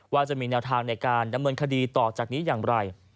ว่าจะมีแนวทางในการดำเนินคดีต่อจากนี้อย่างไร